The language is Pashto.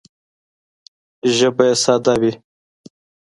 ژبه یې ساده وي